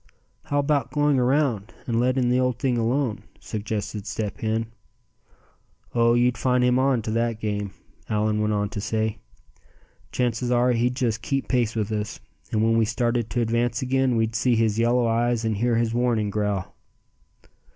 "How about going around, and letting the old thing alone?" suggested Step Hen. "Oh! you'd find him on to that game," Allan went on to say. "Chances are he'd just keep pace with us; and when we started to advance again, we'd see his yellow eyes, and hear his warning growl."